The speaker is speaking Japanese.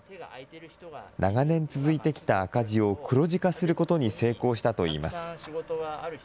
長年続いてきた赤字を黒字化することに成功したといいます。